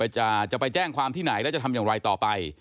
จะไปแจ้งความที่ไหนแล้วจะทำอย่างไรต่อไป